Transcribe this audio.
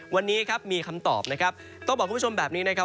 วันนี้ครับมีคำตอบนะครับต้องบอกคุณผู้ชมแบบนี้นะครับ